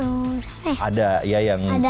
eh ada ya yang bikin